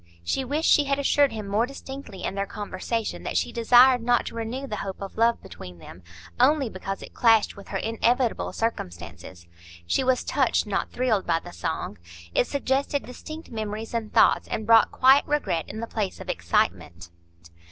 She wished she had assured him more distinctly in their conversation that she desired not to renew the hope of love between them, only because it clashed with her inevitable circumstances. She was touched, not thrilled by the song; it suggested distinct memories and thoughts, and brought quiet regret in the place of excitement.